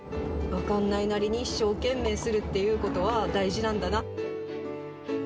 分かんないなりに一生懸命するっていうことは、大事なんだな。